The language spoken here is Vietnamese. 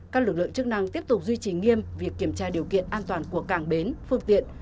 các lực lượng chức năng tiếp tục duy trì nghiêm việc kiểm tra điều kiện an toàn của cảng bến phương tiện